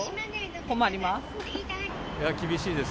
困ります。